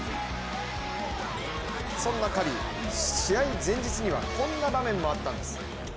そんなカリーに試合前日にはこんな場面もあったんです。